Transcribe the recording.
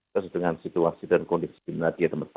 sesuai dengan situasi dan kondisi di melatiya dan tempat praktek